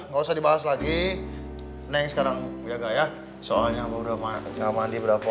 nggak usah dibahas lagi neng sekarang biar kayak soalnya udah mah nggak mandi berapa